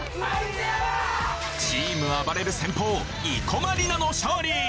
チームあばれる先鋒生駒里奈の勝利。